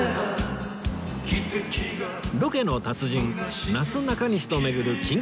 ロケの達人なすなかにしと巡る金欠旅